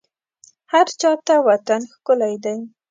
هرچا ته وطن ښکلی دی